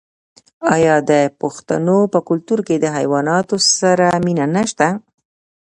آیا د پښتنو په کلتور کې د حیواناتو سره مینه نشته؟